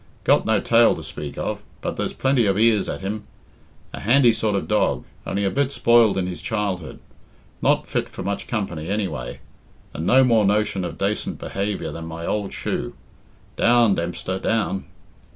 Got no tail to speak of, but there's plenty of ears at him. A handy sort of a dog, only a bit spoiled in his childhood. Not fit for much company anyway, and no more notion of dacent behaviour than my ould shoe. Down, Dempster, down."